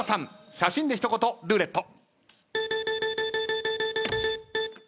写真で一言ルーレット。